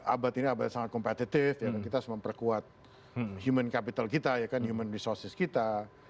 abad ini abad sangat kompetitif kita harus memperkuat human capital kita ya kan human resources kita